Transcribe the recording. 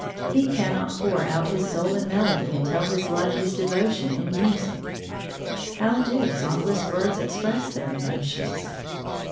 He cannot pour out his soul in melody and tell his love his devotion in music. How do songless birds express their emotions?